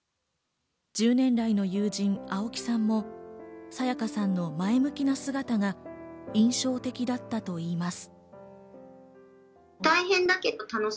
１０年来の友人・青木さんも沙也加さんの前向きな姿が印象的だったといいます。